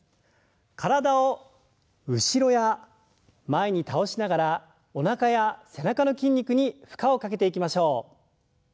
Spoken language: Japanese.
体を後ろや前に倒しながらおなかや背中の筋肉に負荷をかけていきましょう。